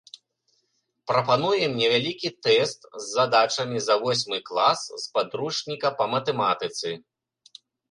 Прапануем невялікі тэст з задачамі за восьмы клас з падручніка па матэматыцы.